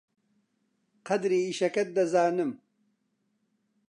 قەدری ئیشەکەت دەزانم.